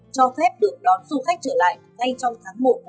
cho phép được đón du khách trở lại